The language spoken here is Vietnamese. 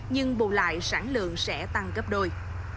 nhưng bù lại sản lượng sẽ tăng gấp đôi